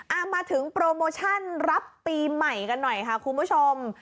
เอามาถึงโปรโมชั่นรับปีใหม่กันหน่อยค่ะคุณผู้ชม